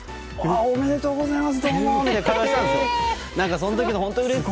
ああ、おめでとうございます！